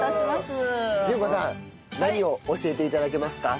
順子さん何を教えて頂けますか？